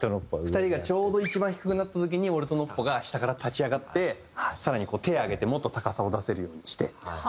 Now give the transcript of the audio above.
２人がちょうど一番低くなった時に俺とＮＯＰＰＯが下から立ち上がって更に手上げてもっと高さを出せるようにしてみたいな。